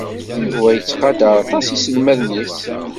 Yuba yettqadar aṭas iselmaden-is.